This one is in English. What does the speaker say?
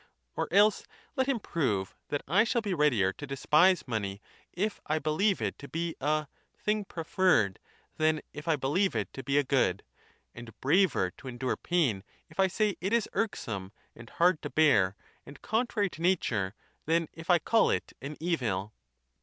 Or else let him prove that I shall be readier to despise money if I believe it to be a thing preferred' than if I believe it to be a good, and braver to endure pain if I say it is irk some and hard to bear and contrary to nature, than rS if I call it an evil.